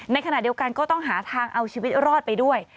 ในขณะเดียวกันก็ต้องหาทางเอาชีวิตรอดไปด้วย